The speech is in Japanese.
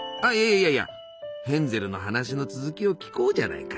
いやいやヘンゼルの話の続きを聞こうじゃないか。